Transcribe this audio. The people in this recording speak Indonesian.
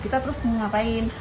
kita terus mau ngapain